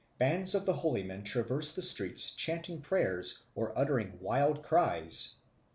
Bands of the holy men traverse the streets chanting prayers, or uttering wild cries.